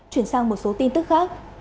chuyển sang một số tin tức khác